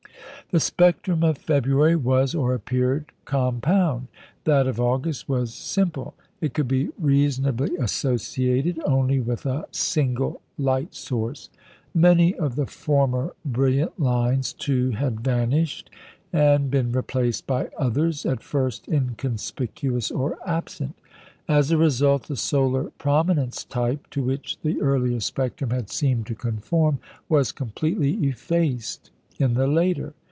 The spectrum of February was or appeared compound; that of August was simple; it could be reasonably associated only with a single light source. Many of the former brilliant lines, too, had vanished, and been replaced by others, at first inconspicuous or absent. As a result, the solar prominence type, to which the earlier spectrum had seemed to conform, was completely effaced in the later.